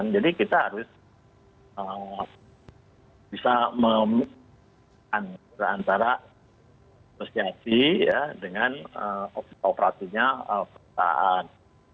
jadi kita harus bisa memilih antara asosiasi dengan operasinya perusahaan